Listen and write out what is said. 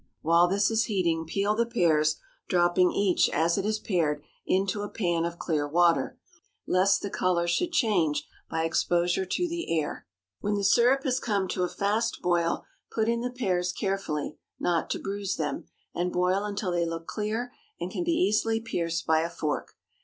While this is heating, peel the pears, dropping each, as it is pared, into a pan of clear water, lest the color should change by exposure to the air. When the syrup has come to a fast boil, put in the pears carefully, not to bruise them, and boil until they look clear and can be easily pierced by a fork.